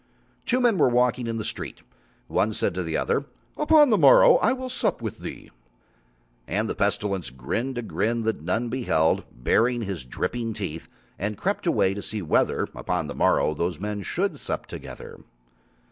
Two men were walking in the street; one said to the other: "Upon the morrow I will sup with thee." And the Pestilence grinned a grin that none beheld, baring his dripping teeth, and crept away to see whether upon the morrow those men should sup together.